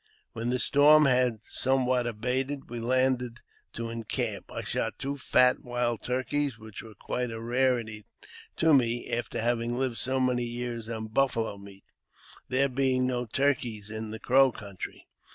When the storm had somewhat abated, we landed to encamp. I shot two fat wild turkeys, which were quite a rarity to me, after having lived so many years on buffalo meat, there being no turkeys in the Crow country.